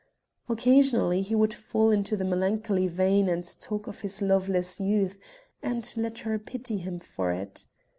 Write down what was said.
Occasionally he would fall into the melancholy vein and talk of his loveless youth, and let her pity him for it.